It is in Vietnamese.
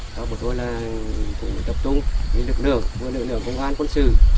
sau bố tôi là cũng tập trung với lực lượng với lực lượng công an quân sự